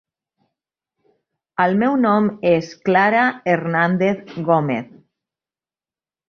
El meu nom és Clara Hernández Gómez.